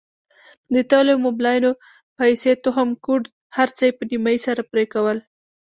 د تېلو او موبلينو پيسې تخم کود هرڅه يې په نيمايي سره پرې کول.